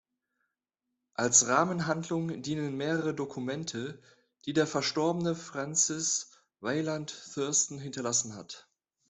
Als Rahmenhandlung dienen mehrere Dokumente, die der verstorbene Francis Wayland Thurston hinterlassen hat.